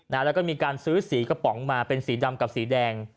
แล้วก็มีการซื้อสีกระป๋องมาเป็นสีดำกับสีแดง